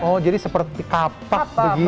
oh jadi seperti kapak begitu